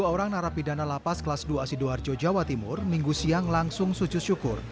dua puluh dua orang narapidana lapas kelas dua asido harjo jawa timur minggu siang langsung sucus syukur